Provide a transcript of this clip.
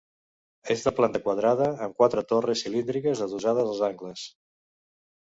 És de planta quadrada amb quatre torres cilíndriques adossades als angles.